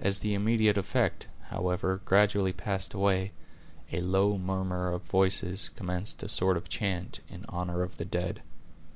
As the immediate effect, however, gradually passed away, a low murmur of voices commenced a sort of chant in honor of the dead.